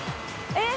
えっ！